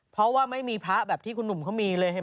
เพราะว่าไม่มีพระแบบที่คุณหนุ่มเขามีเลยใช่ไหม